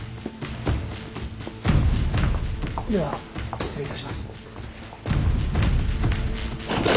では失礼いたします。